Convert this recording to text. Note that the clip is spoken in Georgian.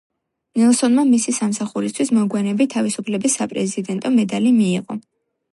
ნელსონმა მისი სამსახურისთვის მოგვიანებით თავისუფლების საპრეზიდენტო მედალი მიიღო.